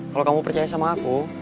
kalau kamu percaya sama aku